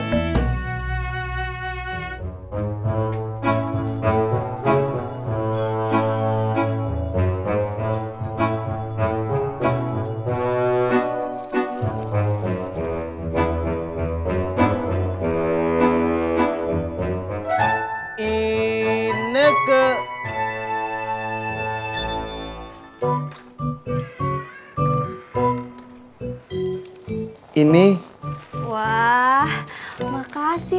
wah makasih mas pur